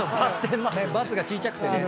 バツが小ちゃくてね。